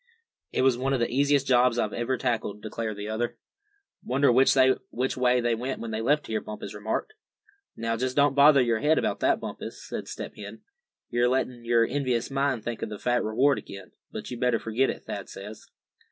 "It was one of the easiest jobs I ever tackled," declared the other. "Wonder which way they went when they left here?" Bumpus remarked. "Now, just don't bother your head about that, Bumpus," said Step Hen. "You're letting your envious mind think of that fat reward again; but you'd better forget it, Thad says."